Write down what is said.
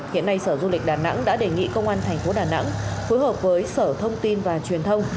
hiện nay sở du lịch đà nẵng đã đề nghị công an thành phố đà nẵng phối hợp với sở thông tin và truyền thông